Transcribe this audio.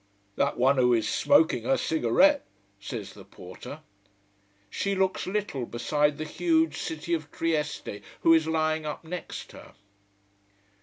"That one who is smoking her cigarette," says the porter. She looks little, beside the huge City of Trieste who is lying up next her.